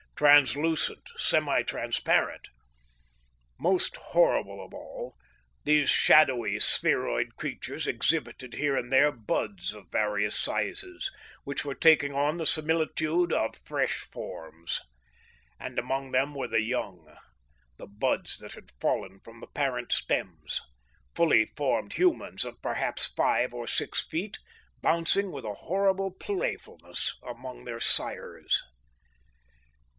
Translucent, semi transparent. Most horrible of all, these shadowy, spheroid creatures exhibited here and there buds of various sizes, which were taking on the similitude of fresh forms. And among them were the young, the buds that had fallen from the parent stems, fully formed humans of perhaps five or six feet, bouncing with a horrible playfulness among their sires.